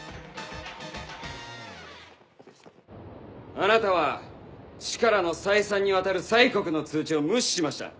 ・あなたは市からの再三にわたる催告の通知を無視しました